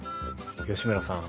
吉村さん